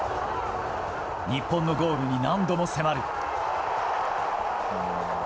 日本のゴールに何度も迫る。